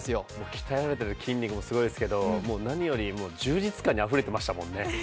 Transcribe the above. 鍛えられた筋肉もすごいですけど何により充実感にあふれてましたもんね。